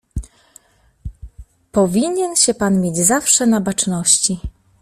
"Powinien się pan mieć zawsze na baczności."